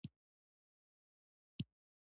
مځکه له موږ سره ژوره اړیکه لري.